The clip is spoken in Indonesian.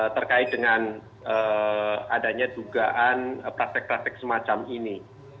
terkait dengan adanya dugaan praktek praktek semacam ini